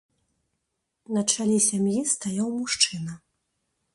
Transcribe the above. На чале сям'і стаяў мужчына.